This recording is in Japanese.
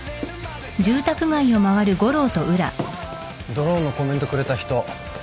ドローンのコメントくれた人どうだった？